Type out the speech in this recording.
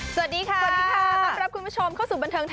สวัสดีค่ะสวัสดีค่ะสวัสดีค่ะ